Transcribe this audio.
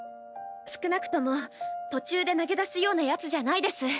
少なくとも途中で投げ出すようなヤツじゃないです。